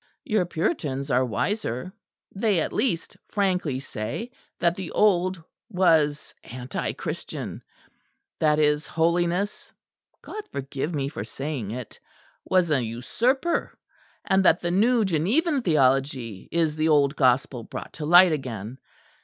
Your Puritans are wiser; they at least frankly say that the old was Anti Christian; that His Holiness (God forgive me for saying it!), was an usurper: and that the new Genevan theology is the old gospel brought to light again.